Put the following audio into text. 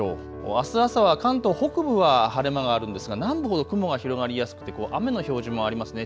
あす朝は関東北部は晴れ間があるんですが南部ほど雲が広がりやすく雨の表示もありますね。